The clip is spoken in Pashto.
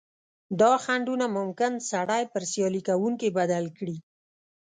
دا خنډونه ممکن سړی پر سیالي کوونکي بدل کړي.